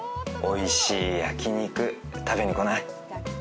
おいしい焼き肉食べに来ない？